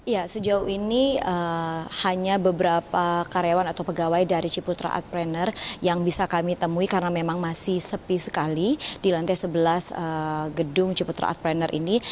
ya sejauh ini hanya beberapa karyawan atau pegawai dari ciputra artpreneur yang bisa kami temui karena memang masih sepi sekali di lantai sebelas gedung ciputra artpreneur ini